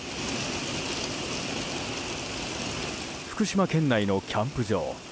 福島県内のキャンプ場。